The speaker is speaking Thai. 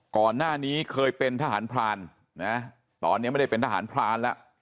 ก่อนหน้านี้เคยเป็นทหารพรานนะตอนนี้ไม่ได้เป็นทหารพรานแล้ว